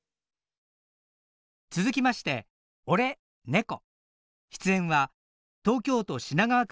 続きまして「おれ、ねこ」